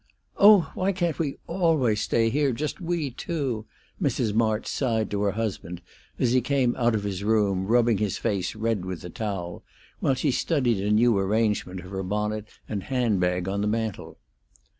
"Oh, why can't we always stay here, just we two!" Mrs. March sighed to her husband, as he came out of his room rubbing his face red with the towel, while she studied a new arrangement of her bonnet and handbag on the mantel.